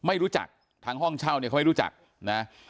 ไม่รู้จักทางห้องเช่าเนี่ยเขาไม่รู้จักนะ